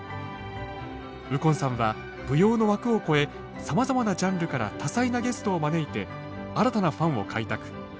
右近さんは舞踊の枠を超えさまざまなジャンルから多彩なゲストを招いて新たなファンを開拓。